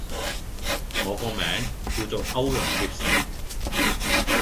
我個名叫做歐陽協成